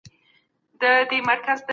ولي پههرات کي د صنعت لپاره نوښت مهم دی؟